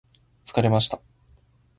疲れました